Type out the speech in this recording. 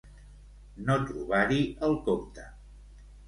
No trobar-hi el compte.